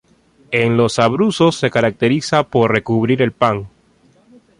En los Abruzos se caracteriza por recubrir el pan.